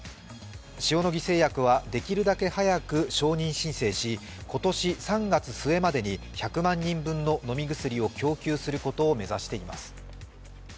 塩野義製薬はできるだけ早く承認申請し、今年３月末までに１００万人分の飲み薬を供給することを目指しています。